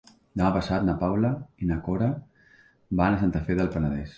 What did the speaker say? Demà passat na Paula i na Cora van a Santa Fe del Penedès.